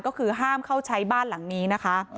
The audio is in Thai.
ก็คือห้ามเข้าใช้บ้านหลังนี้นะคะ